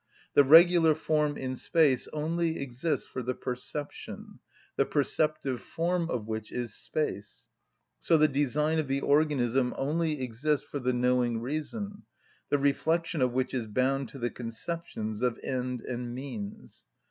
The regular form in space only exists for the perception, the perceptive form of which is space; so the design of the organism only exists for the knowing reason, the reflection of which is bound to the conceptions of end and means.